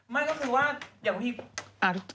ไม่ก็คือว่าอย่างพี่